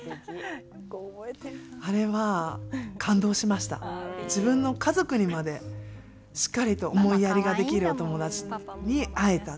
そしたら、その日にちょうど自分の家族にまで、しっかりと思いやりができるお友達に会えた。